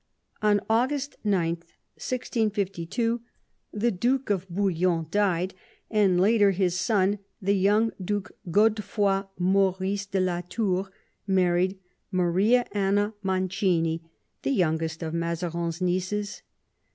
On August 9j 1652, the Duke of Bouillon died, and later his son, the young Duke Godefroi Maurice de la Tour, married Maria Anna Mancini, the youngest of Mazarin's nieces.